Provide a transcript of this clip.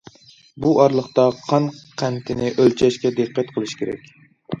بۇ ئارىلىقتا قان قەنتىنى ئۆلچەشكە دىققەت قىلىش كېرەك.